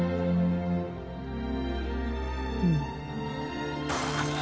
うん。